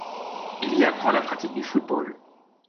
Il y apprend la pratique du football.